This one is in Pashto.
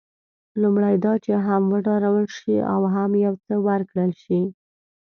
لومړی دا چې هم وډارول شي او هم یو څه ورکړل شي.